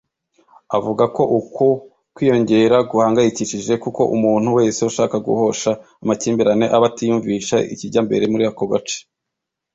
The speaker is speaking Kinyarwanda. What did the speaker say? Avuga ko uku kwiyongera guhangayikishije kuko umuntu wese ushaka guhosha amakimbirane aba atiyumvisha ikijya mbere muri ako gace